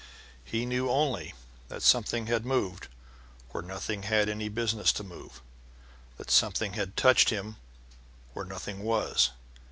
He knew only that something had moved where nothing had any business to move, that something had touched him where nothing was.